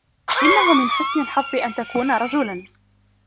إنه من حسن الحظ أن تكون رجلاً.